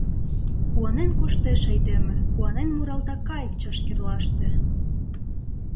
Куанен коштеш айдеме, куанен муралта кайык чашкерлаште!..